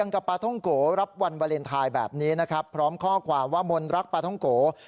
กับปลาท่องโกรับวันวาเลนไทยแบบนี้นะครับพร้อมข้อความว่ามนรักปลาท้องโก